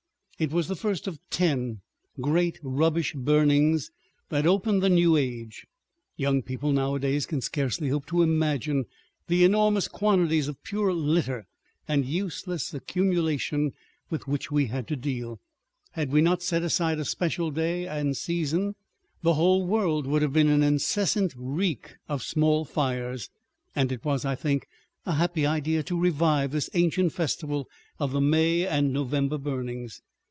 It was the first of the ten great rubbish burnings that opened the new age. Young people nowadays can scarcely hope to imagine the enormous quantities of pure litter and useless accumulation with which we had to deal; had we not set aside a special day and season, the whole world would have been an incessant reek of small fires; and it was, I think, a happy idea to revive this ancient festival of the May and November burnings.